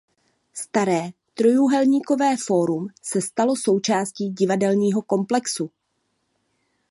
Staré Trojúhelníkové fórum se stalo součástí divadelního komplexu.